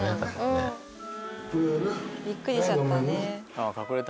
びっくりしちゃった。